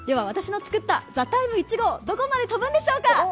私の作ったＴＨＥＴＩＭＥ，１号どこまで飛ぶんでしょうか。